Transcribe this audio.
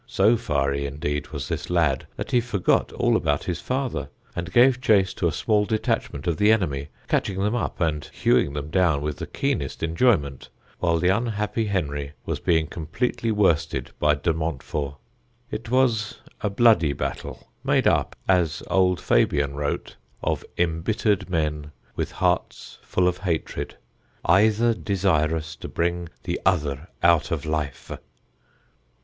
So fiery, indeed, was this lad that he forgot all about his father, and gave chase to a small detachment of the enemy, catching them up, and hewing them down with the keenest enjoyment, while the unhappy Henry was being completely worsted by de Montfort. It was a bloody battle, made up, as old Fabian wrote, of embittered men, with hearts full of hatred, "eyther desyrous to bring the other out of lyfe."